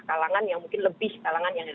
kalangan yang mungkin lebih kalangan yang